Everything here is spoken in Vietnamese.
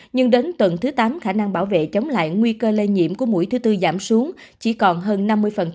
nhưng đến tuần thứ tám khả năng bảo vệ chống lại nguy cơ lây nhiễm của mũi thứ tư giảm xuống chỉ còn hơn năm mươi